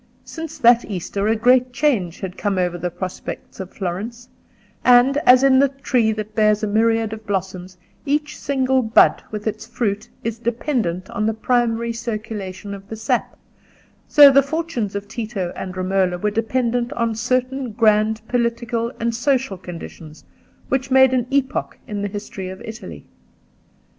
Since that Easter a great change had come over the prospects of Florence; and as in the tree that bears a myriad of blossoms, each single bud with its fruit is dependent on the primary circulation of the sap, so the fortunes of Tito and Romola were dependent on certain grand political and social conditions which made an epoch in the history of Italy.